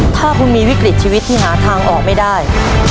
ถ้าคุณมีวิกฤตชีวิตที่หาทางออกไม่ได้